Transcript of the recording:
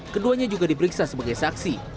keduanya juga diperiksa sebagai saksi